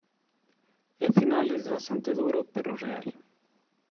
El final es bastante duro pero real.